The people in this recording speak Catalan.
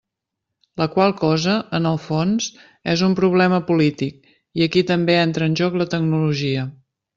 La qual cosa, en el fons, és un problema polític, i aquí també entra en joc la tecnologia.